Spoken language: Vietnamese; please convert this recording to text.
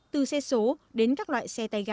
từ xe số đến các loại xe tay gà